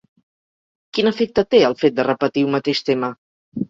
Quin efecte té el fet de repetir un mateix tema?